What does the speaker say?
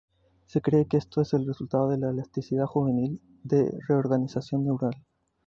Se cree que esto es el resultado de la elasticidad juvenil de reorganización neural.